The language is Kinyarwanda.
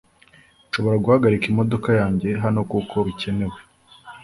Nshobora guhagarika imodoka yanjye hano kuko bikenewe